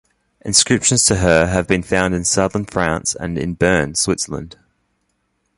Inscriptions to her have been found in southern France and in Bern, Switzerland.